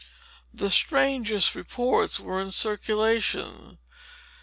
The strangest reports were in circulation.